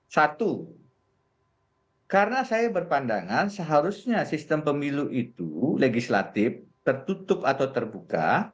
satu karena saya berpandangan seharusnya sistem pemilu itu legislatif tertutup atau terbuka